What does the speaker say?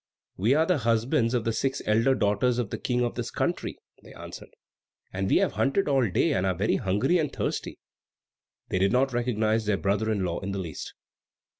"We are the husbands of the six elder daughters of the King of this country," they answered; "and we have hunted all day, and are very hungry and thirsty." They did not recognise their brother in law in the least.